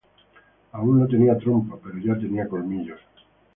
Aún no tenía trompa, pero ya tenía colmillos.